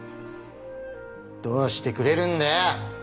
どうしてくれるんだよ。